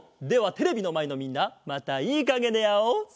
ではテレビのまえのみんなまたいいかげであおう。